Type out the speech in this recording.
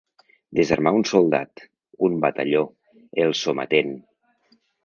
Desarmar un soldat, un batalló, el sometent.